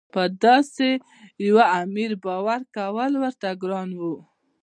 په داسې یوه امیر باور کول ورته ګران وو.